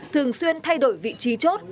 thường xuyên thay đổi vị trí chốt